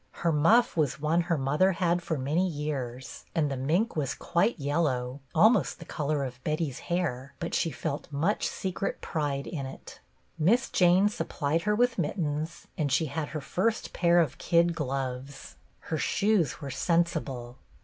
Her muff was one her mother had for many years, and the mink was quite yellow, almost the color of Betty's hair, but she felt much secret pride in it. Miss Jane supplied her with mittens, and she had her first pair of kid gloves. Her shoes were sensible.